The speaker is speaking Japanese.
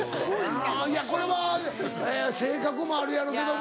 いやこれは性格もあるやろうけども。